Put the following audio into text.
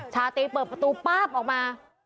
ชาตรีเปิดประตูป๊าบออกมา